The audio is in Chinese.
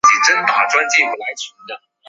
本表列出已命名的土卫一的地质特征。